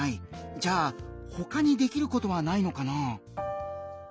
じゃあ他にできることはないのかな？